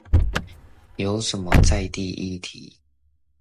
有什麼在地議題